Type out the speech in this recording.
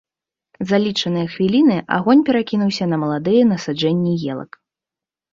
За лічаныя хвіліны агонь перакінуўся на маладыя насаджэнні елак.